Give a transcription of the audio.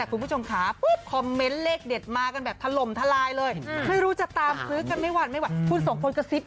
ยุบยับเออเลขอะไรกันบ้าง